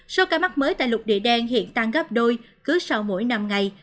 số ca mắc mới tại lục địa đen hiện tăng gấp đôi cứ sau mỗi năm ngày